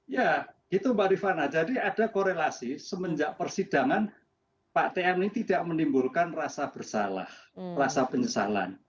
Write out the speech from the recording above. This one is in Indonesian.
ya gitu mbak rifana jadi ada korelasi semenjak persidangan pak tm ini tidak menimbulkan rasa bersalah rasa penyesalan